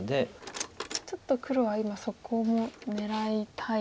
ちょっと黒は今そこも狙いたいですか。